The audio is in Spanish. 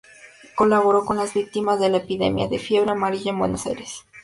Colaboró con las víctimas de la epidemia de fiebre amarilla en Buenos Aires.